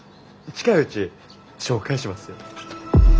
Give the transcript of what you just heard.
近いうち紹介しますよ。